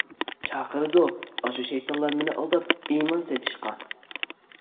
چاقىرىدۇ ئاشۇ شەيتانلار، مېنى ئالداپ ئىمان سېتىشقا.